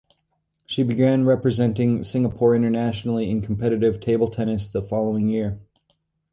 She began representing Singapore internationally in competitive table tennis the following year.